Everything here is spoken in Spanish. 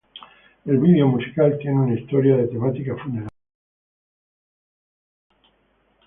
El video musical tiene una historia de temática funeraria.